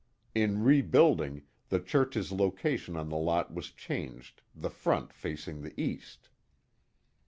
In rebuilding, the church's location on the lot was changed, the front facing the east.